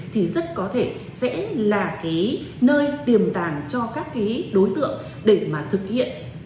thì rất có thể sẽ là cái nơi tiềm tàng cho các cái đối tượng để mà thực hiện